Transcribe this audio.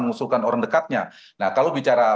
mengusulkan orang dekatnya nah kalau bicara